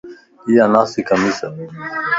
اِيا ناسي کميص ا